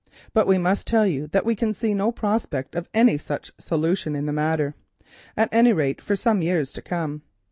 But we must tell you that we can see no prospect of any such solution of the matter, at any rate for some years to come.